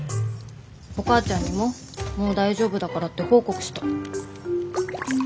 お母ちゃんにももう大丈夫だからって報告した。